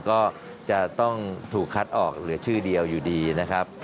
ก็จะต้องถูกคัดออกเหลือชื่อเดียวอยู่ดีนะครับ